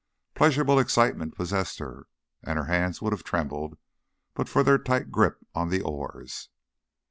Pleasurable excitement possessed her, and her hands would have trembled but for their tight grip on the oars.